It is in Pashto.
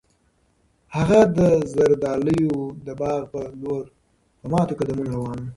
هغه د زردالیو د باغ په لور په ماتو قدمونو روان و.